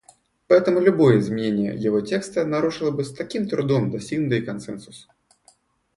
Поэтому любое изменение его текста нарушило бы с таким трудом достигнутый консенсус.